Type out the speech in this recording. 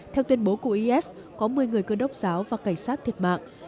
theo tuyên bố của is có một mươi người cơ đốc giáo và cảnh sát thiệt mạng